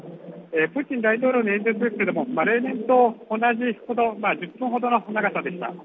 プーチン大統領の演説ですけれども、例年と同じほど、１０分ほどの中さでした。